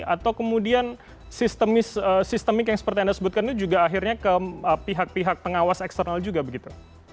atau kemudian sistemik yang seperti anda sebutkan itu juga akhirnya ke pihak pihak pengawas eksternal juga begitu